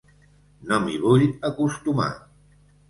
No m’hi vull acostumar.